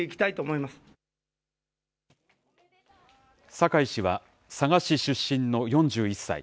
坂井氏は佐賀市出身の４１歳。